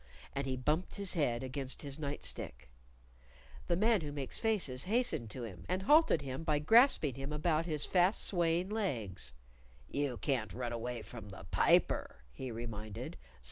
And he bumped his head against his night stick. The Man Who Makes Faces hastened to him, and halted him by grasping him about his fast swaying legs. "You can't run away from the Piper," he reminded.